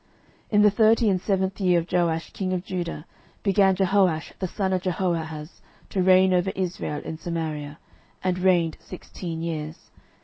12:013:010 In the thirty and seventh year of Joash king of Judah began Jehoash the son of Jehoahaz to reign over Israel in Samaria, and reigned sixteen years.